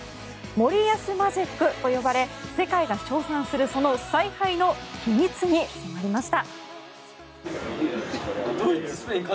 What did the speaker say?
森保マジックと呼ばれ世界が称賛するその采配の秘密に迫りました。